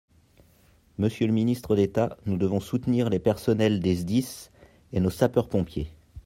Monsieur le ministre d’État, nous devons soutenir les personnels des SDIS et nos sapeurs-pompiers.